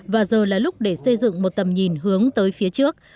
và giờ là lúc để xây dựng một tầm nhìn hướng tới phía trước